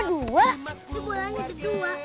ini bolanya ada dua